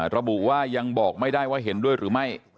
ระบุว่ายังบอกไม่ได้ว่าเห็นด้วยหรือไม่